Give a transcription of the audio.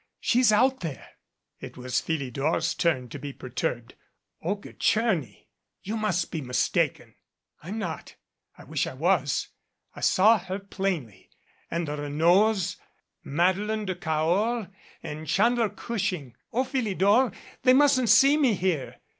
She's out there." It was Philidor's turn to be perturbed. "Olga Tcherny ! You must be mistaken." "I'm not. I wish I was. I saw her plainly and the Renauds, Madeleine de Cahors and Chandler Gushing. O Philidor, they mustn't see me here